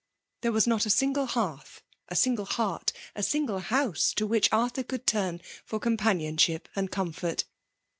There was not a single hearth, fl single heart, a single house to which Arthur could turn for companionship and comfort.